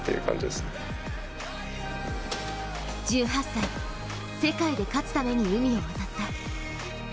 １８歳、世界で勝つために海を渡った。